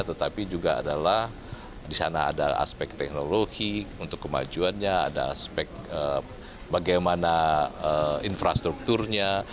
tetapi juga adalah di sana ada aspek teknologi untuk kemajuannya ada aspek bagaimana infrastrukturnya